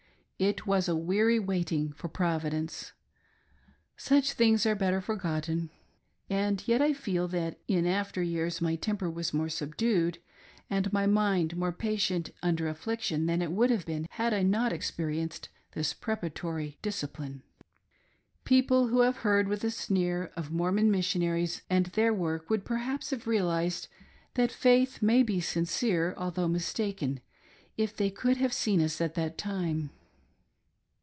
It was a weary waiting for Provi dence ! Such things are better forgotten. And yet I feel that in after years my temper was more subdued and my mind more patient under affliction than it would have been had I not experienced this preparatory discipline. People who have heard, with a sneer, of MormOn Mission aries and their work, would perhaps have realised that faith may be sincere, although mistaken, if they could have seen us at that time.